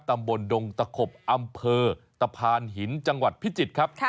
ตำบลดงตะขบอำเภอตะพานหินจังหวัดพิจิตรครับ